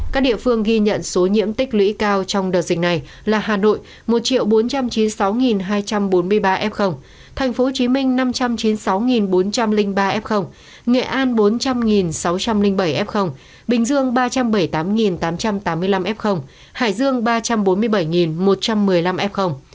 các địa phương ghi nhận số nhiễm tích lũy cao trong đợt dịch này là hà nội một bốn trăm chín mươi sáu hai trăm bốn mươi ba f tp hcm năm trăm chín mươi sáu bốn trăm linh ba f nghệ an bốn trăm linh sáu trăm linh bảy f bình dương ba trăm bảy mươi tám tám trăm tám mươi năm f hải dương ba trăm bốn mươi bảy một trăm một mươi năm f